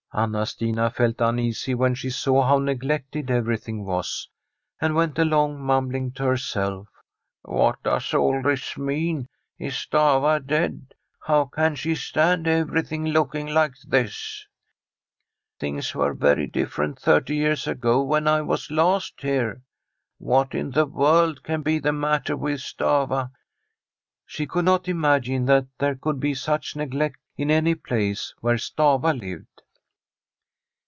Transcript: Anna Stina felt uneasy when she saw how neg lected everything was, and went along mumbling to herself :* What does all this mean ? Is Stafva dead? How can she stand everything looking like this ? Things were very different thirty years ago, when I was last here. What in the world can be the matter with Stafva? ' She could not imagine that there could be such neglect in any place where Stafva lived.